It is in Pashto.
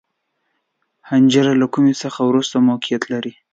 حنجره له کومي څخه وروسته موقعیت لري.